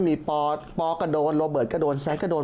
มีปอปอก็โดนโรเบิร์ตก็โดนแซ็กก็โดน